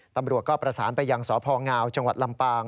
ตำรวจก็ประสานไปยังสพงจังหวัดลำปาง